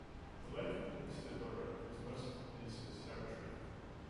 The Lake and Peninsula Borough includes most of the peninsula's territory.